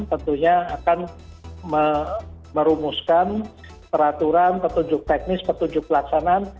tentunya akan merumuskan peraturan petunjuk teknis petunjuk pelaksanaan